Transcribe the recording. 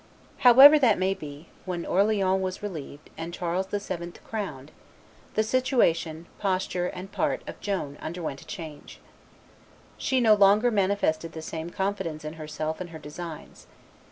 However that may be, when Orleans was relieved, and Charles VII. crowned, the situation, posture, and part of Joan underwent a change. She no longer manifested the same confidence in herself and her designs.